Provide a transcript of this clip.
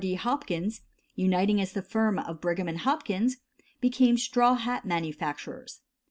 D. Hopkins, uniting as the firm of Brigham & Hopkins, became straw hat manufacturers.